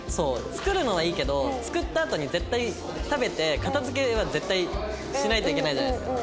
作るのはいいけど作ったあとに絶対食べて片付けは絶対しないといけないじゃないですか。